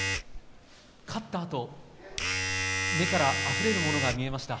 勝ったあと目からあふれるものが見えました。